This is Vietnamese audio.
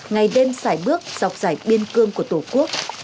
ngày đêm xảy bước dọc dải biên cương của tổ quốc